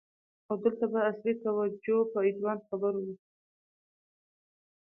او دلته به اصلی توجه په آډوانس خبرو وی.